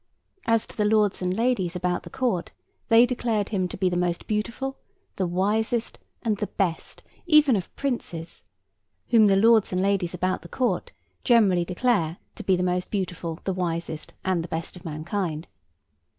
As to the lords and ladies about the Court, they declared him to be the most beautiful, the wisest, and the best—even of princes—whom the lords and ladies about the Court, generally declare to be the most beautiful, the wisest, and the best of mankind.